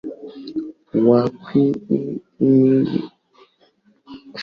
watuhumiwa wa mauaji ya kimbari waliua kwa makusudi